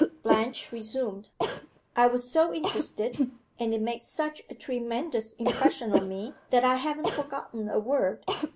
Blanche resumed: "I was so interested, and it made such a tremendous impression on me, that I haven't forgotten a word.